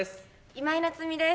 今井菜津美です。